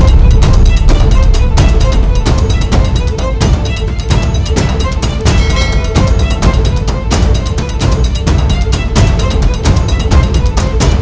dan aku akan menyerahkan